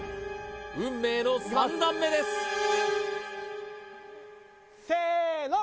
運命の３段目ですせーの！